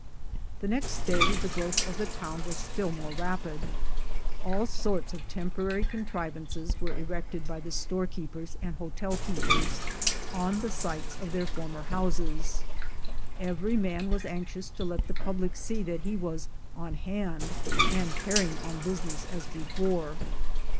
The next day the growth of the town was still more rapid. All sorts of temporary contrivances were erected by the storekeepers and hotel keepers on the sites of their former houses. Every man was anxious to let the public see that he was "on hand," and carrying on business as before.